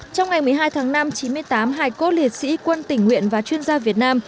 trong ngày một mươi hai tháng năm chín mươi tám hải cốt liệt sĩ quân tỉnh nguyện và chuyên gia việt nam